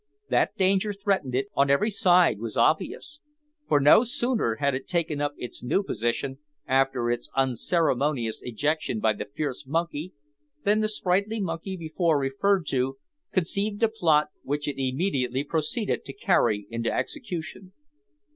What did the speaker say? That danger threatened it on every side was obvious, for no sooner had it taken up its new position, after its unceremonious ejection by the fierce monkey, than the sprightly monkey, before referred to, conceived a plot which it immediately proceeded to carry into execution.